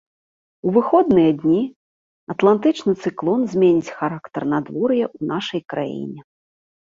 У выходныя дні атлантычны цыклон зменіць характар надвор'я ў нашай краіне.